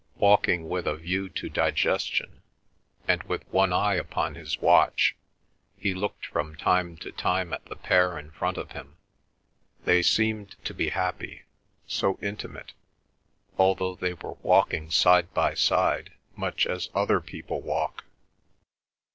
Walking with a view to digestion, and with one eye upon his watch, he looked from time to time at the pair in front of him. They seemed to be so happy, so intimate, although they were walking side by side much as other people walk.